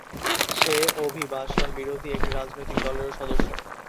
সে অভিবাসন বিরোধী একটি রাজনৈতিক দলেরও সদস্য।